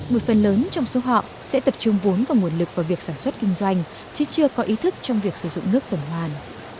một phần lớn trong số họ sẽ tập trung vốn và nguồn lực vào việc sản xuất kinh doanh chứ chưa có ý thức trong việc sử dụng nước tuần hoàn